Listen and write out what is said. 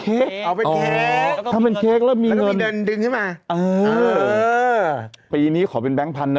เอาเป็นแล้วมีเงินแล้วมีเงินดึงให้มาเออเออปีนี้ขอเป็นแบงค์พันธุ์น่ะ